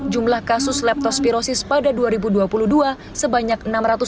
jumlah kasus leptospirosis pada dua ribu dua puluh dua sebanyak enam ratus tujuh puluh